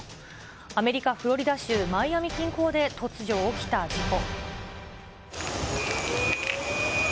アメリカ・フロリダ州マイアミ近郊で突如起きた事故。